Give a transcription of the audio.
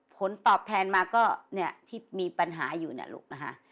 ผลตรอบแทนมาก็ที่มีปัญหาอยู่นะลูกนะฮะ